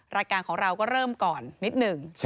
รายการของเราก็เริ่มก่อนนิดหนึ่ง